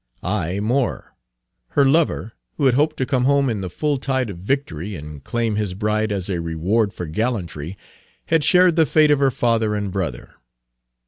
Ay, more, her lover, who had hoped to come home in the full tide of victory and claim his bride as a reward for gallantry, had shared the fate of her father and brother.